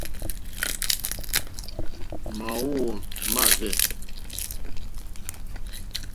Móǃóhwò máárzɛ̂.